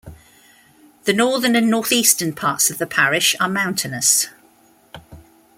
The northern and northeastern parts of the parish are mountainous.